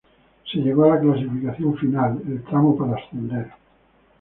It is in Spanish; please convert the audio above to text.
Se llegó a la clasificación final, el tramo para ascender.